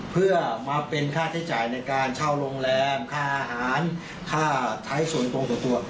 เพื่อมาเป็นค่าใช้จ่ายในการเช่าโรงแรมค่าอาหารค่าใช้ส่วนตรงส่วนตัว